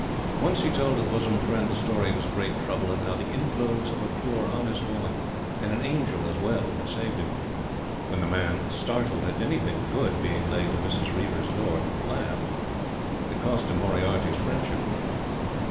Once he told a bosom friend the story of his great trouble, and how the "influence of a pure honest woman, and an angel as well" had saved him. When the man startled at anything good being laid to Mrs. Reiver's door laughed, it cost him Moriarty's friendship.